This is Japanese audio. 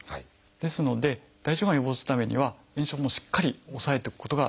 ですので大腸がんを予防するためには炎症もしっかり抑えていくことが大事。